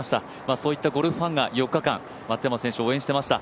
そういったゴルフファンが４日間、松山選手を応援していました。